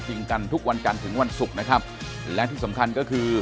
จริงกันทุกวันกันถึงวันศุกร์นะครับและที่สำคัญก็คือ